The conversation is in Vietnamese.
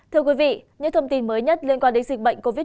thưa quý vị những thông tin mới nhất liên quan đến dịch bệnh covid một mươi